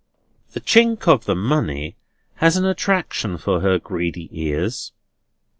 The chink of the money has an attraction for her greedy ears.